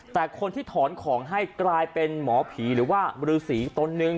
แต่คนที่ถอนของให้กลายเป็นหมอผีหรือว่ารือสีตนนึง